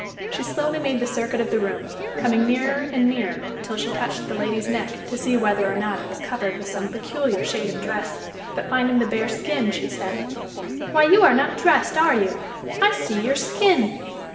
She slowly made the circuit of the room, coming nearer and nearer until she touched the lady's neck to see whether or not it was covered with some peculiar shade of dress, but finding the bare skin she said: "Why, you are not dressed, are you? I see your skin!"